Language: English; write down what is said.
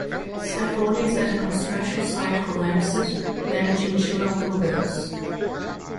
Scaffoldings at a construction site collapsed, damaging two automobiles.